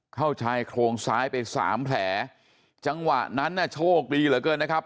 ชายโครงซ้ายไปสามแผลจังหวะนั้นน่ะโชคดีเหลือเกินนะครับ